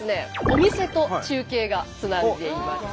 お店と中継がつないでいます。